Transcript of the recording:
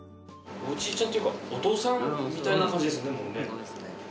おじいちゃんっていうかお父さんみたいな感じですね。